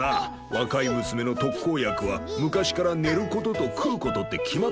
若い娘の特効薬は昔から寝る事と食う事って決まっとるからな。